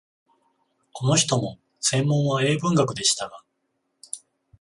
この人も専門は英文学でしたが、